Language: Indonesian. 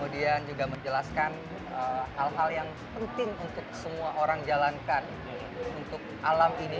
dan juga menjelaskan hal hal yang penting untuk semua orang jalankan untuk alam ini